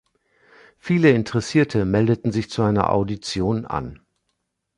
Viele Interessierte meldeten sich zu einer Audition an.